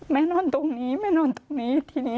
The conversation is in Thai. นอนตรงนี้แม่นอนตรงนี้ทีนี้